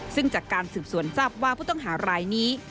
ซึ่งจากการสืบสวนทราบว่าผู้ต้องหารายนี้